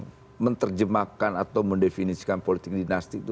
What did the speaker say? ini kadang kadang orang menerjemahkan atau mendefinisikan politik dinasti itu kan